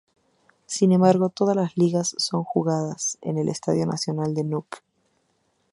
Sin embargo, todas las ligas son jugadas en el estadio nacional de Nuuk.